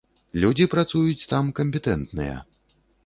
Людзі працуюць там кампетэнтныя.